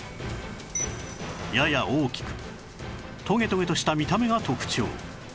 やや大きくトゲトゲとした見た目が特徴